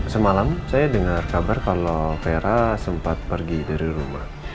semalam saya dengar kabar kalau vera sempat pergi dari rumah